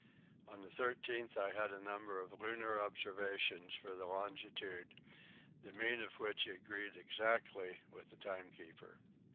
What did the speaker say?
On the 13th I had a number of lunar observations for the longitude, the mean of which agreed exactly with the timekeeper.